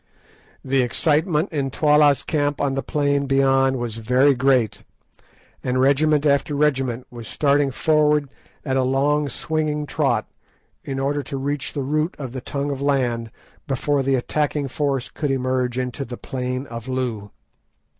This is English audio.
The excitement in Twala's camp on the plain beyond was very great, and regiment after regiment was starting forward at a long swinging trot in order to reach the root of the tongue of land before the attacking force could emerge into the plain of Loo.